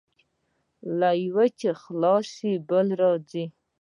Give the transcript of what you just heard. له یوه چې خلاص شې، بل راځي.